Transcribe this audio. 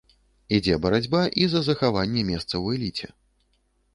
Ідзе барацьба і за захаванне месца ў эліце.